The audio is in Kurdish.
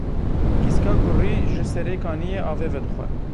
Gîska gurî ji serê kaniyê avê vedixwe.